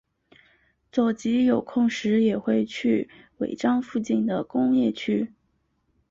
佐吉有空时也会去尾张附近的工业区。